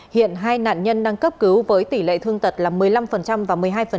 hiện hai nạn nhân đang cấp cứu với tỷ lệ thương tật là một mươi năm và một mươi hai